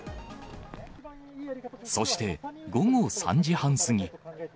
そして午後３時半過ぎ。